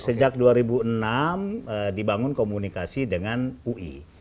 sejak dua ribu enam dibangun komunikasi dengan ui